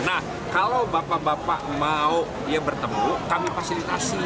nah kalau bapak bapak mau bertemu kami fasilitasi